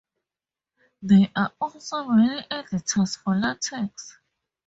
There are also many editors for LaTeX.